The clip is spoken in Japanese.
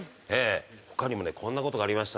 他にもねこんな事がありました。